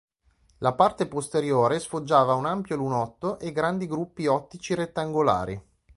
La parte posteriore sfoggiava un ampio lunotto e grandi gruppi ottici rettangolari.